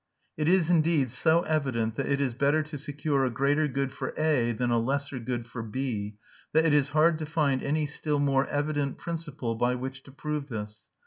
"It is, indeed, so evident that it is better to secure a greater good for A than a lesser good for B, that it is hard to find any still more evident principle by which to prove this.